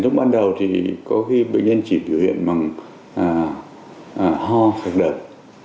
lúc ban đầu thì có khi bệnh nhân chỉ biểu hiện bằng ho khạc đợt